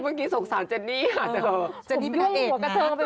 นี่สงสารเจนี่ค่ะเจนี่เป็นนักเอกนะ